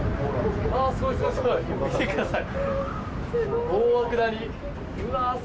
見てください。